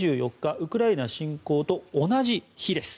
ウクライナ侵攻と同じ日です。